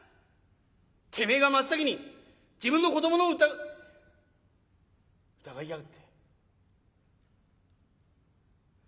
てめえが真っ先に自分の子どもの疑いやがって」。